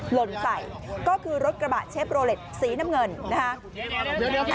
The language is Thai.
หล่นใส่ก็คือรถกระบะเชฟโรเล็ตสีน้ำเงินนะคะ